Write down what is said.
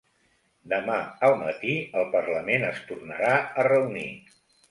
Demà al matí el parlament es tornarà a reunir